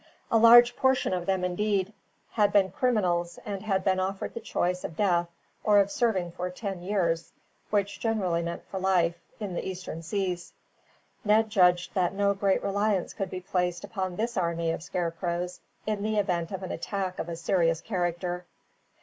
A large portion of them, indeed, had been criminals, and had been offered the choice of death or of serving for ten years, which generally meant for life, in the eastern seas. Ned judged that no great reliance could be placed upon this army of scarecrows, in the event of an attack of a serious character.